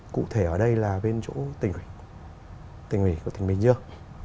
cụ thể ở đây là bên chỗ tỉnh huyền tỉnh huyền của tỉnh bình dương